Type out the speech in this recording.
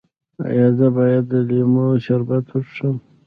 ایا زه باید د لیمو شربت وڅښم؟